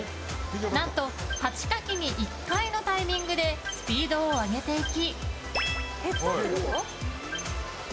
何と８かきに１回のタイミングでスピードを上げていき。